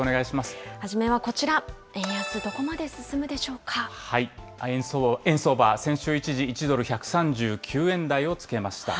初めはこちら、円安、どこま円相場、先週、一時１ドル１３９円台をつけました。